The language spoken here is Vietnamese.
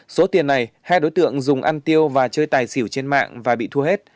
số tiền này hai đối tượng dùng ăn tiêu và chơi tài xỉu trên mạng và bị thua hết